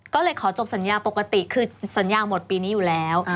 ก็เลยขอจบสัญญาปกติคือสัญญาหมดปีนี้อยู่แล้ว